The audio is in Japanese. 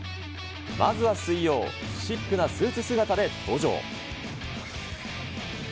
まずは水曜、シックなスーツ姿で登場。